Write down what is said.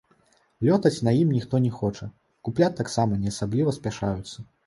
Лётаць на ім ніхто не хоча, купляць таксама не асабліва спяшаюцца.